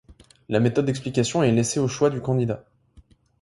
La méthode d’explication est laissée au choix du candidat.